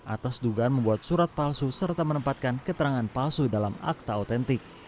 atas dugaan membuat surat palsu serta menempatkan keterangan palsu dalam akta otentik